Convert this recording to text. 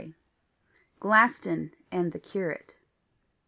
GLASTON AND THE CURATE.